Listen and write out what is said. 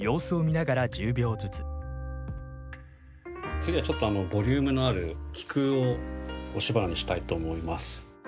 次はちょっとボリュームのあるキクを押し花にしたいと思います。